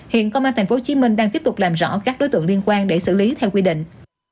hiện công an tp hcm đang tiếp tục làm rõ các đối tượng liên quan để xử lý theo quy định